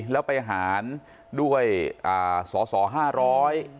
แล้วไปหารด้วยสอห้าร้อย